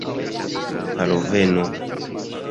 haloveno